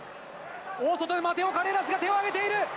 大外で回ったカレーラスが手を挙げている。